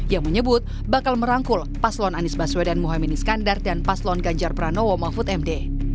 yang menyebut bakal merangkul paslon anies baswedan mohaimin iskandar dan paslon ganjar pranowo mahfud md